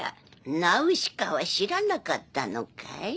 ナウシカは知らなかったのかい？